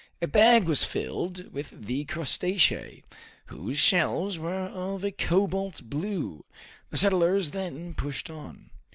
A bag was filled with the crustaceae, whose shells were of a cobalt blue. The settlers then pushed on.